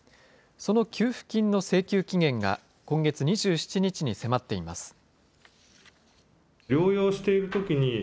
その給付金の請求期限が、今月２７日に迫っています。